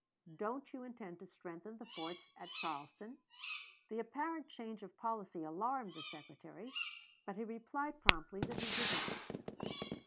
"Don't you intend to strengthen the forts at Charleston?" The apparent change of policy alarmed the Secretary, but he replied promptly that he did not.